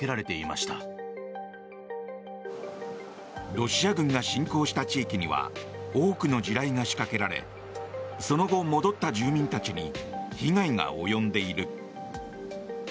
ロシア軍が侵攻した地域には多くの地雷が仕掛けられその後、戻った住民たちに被害が及んでいる。